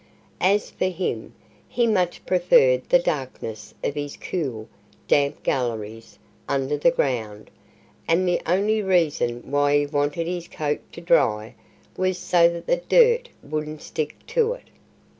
As for him, he much preferred the darkness of his cool, damp galleries under the ground. And the only reason why he wanted his coat to dry was so that the dirt wouldn't stick to it.